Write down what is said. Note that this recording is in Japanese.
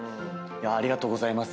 ありがとうございます。